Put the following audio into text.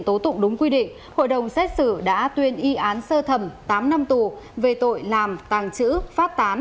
tố tụng đúng quy định hội đồng xét xử đã tuyên y án sơ thẩm tám năm tù về tội làm tàng trữ phát tán